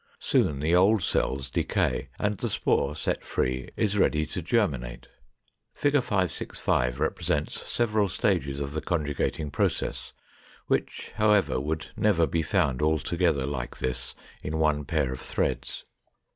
Soon the old cells decay, and the spore set free is ready to germinate. Fig. 565 represents several stages of the conjugating process, which, however, would never be found all together like this in one pair of threads.